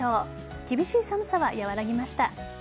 厳しい寒さは和らぎました。